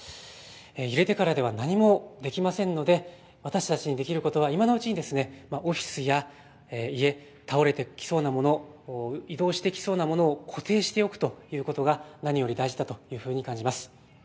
揺れてからでは何もできませんので私たちにできることは今のうちにオフィスや家、倒れてきそうなもの、移動してきそうなものを固定しておくということが何より大事だと感じます。